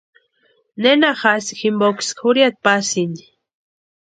¿Nena jasï jimpoksï jurhiata pasïni?